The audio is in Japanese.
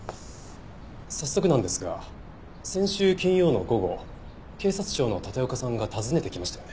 早速なんですが先週金曜の午後警察庁の立岡さんが訪ねてきましたよね？